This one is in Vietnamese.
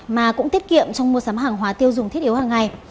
mà cũng tiết kiệm trong mua sắm hàng hóa tiêu dùng thiết yếu hàng ngày